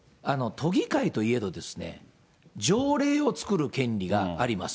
都議会というのは条例を作る権利があります。